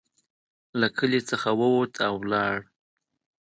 له کلي څخه ووت او ولاړ.